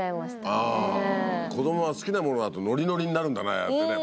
子供は好きなものだとノリノリになるんだねああやってね。